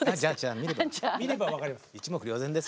見れば分かります。